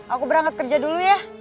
aku berangkat kerja dulu ya